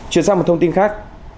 chuyển sang một thông tin khác